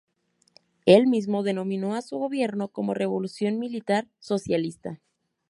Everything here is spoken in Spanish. Él mismo denominó a su gobierno como "Revolución Militar Socialista".